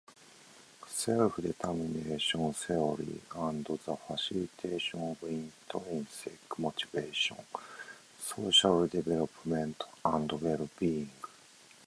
Self-determination theory and the facilitation of intrinsic motivation, social development, and well-being.